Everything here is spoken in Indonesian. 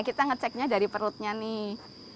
kita ngeceknya dari perutnya nih